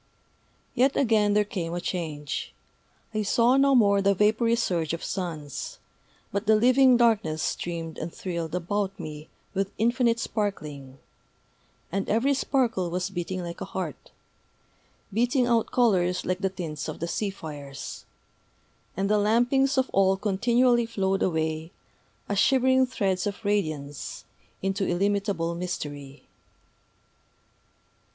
Yet again there came a change. I saw no more that vapory surge of suns; but the living darkness streamed and thrilled about me with infinite sparkling; and every sparkle was beating like a heart, beating out colors like the tints of the sea fires. And the lampings of all continually flowed away, as shivering threads of radiance, into illimitable Mystery....